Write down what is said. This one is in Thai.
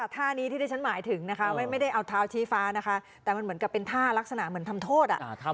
ท่านี้ที่ที่ฉันหมายถึงนะคะไม่ได้เอาเท้าชี้ฟ้านะคะแต่มันเหมือนกับเป็นท่ารักษณะเหมือนทำโทษ